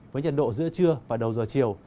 với nhiệt độ giữa trưa và đầu giờ chiều